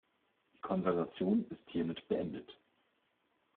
Die Konversation ist hiermit beendet.